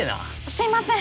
すいません！